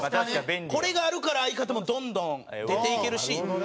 これがあるから相方もどんどん出ていけるし。